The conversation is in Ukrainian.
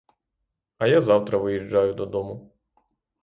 А я завтра виїжджаю додому.